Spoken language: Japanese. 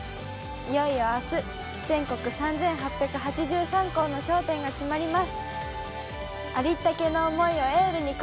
いよいよ明日全国３８８３校の頂点が決まります。